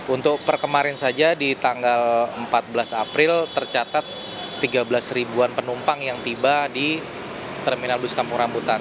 untuk per kemarin saja di tanggal empat belas april tercatat tiga belas ribuan penumpang yang tiba di terminal bus kampung rambutan